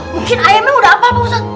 mungkin ayamnya udah apal pak ustaz